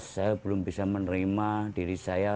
saya belum bisa menerima diri saya